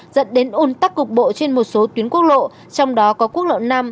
dẫn đến un tắc cục bộ trên một số tuyến quốc lộ trong đó có quốc lộ năm